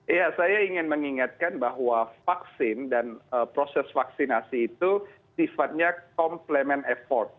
iya saya ingin mengingatkan bahwa vaksin dan proses vaksinasi itu sifatnya complement effort